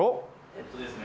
えっとですね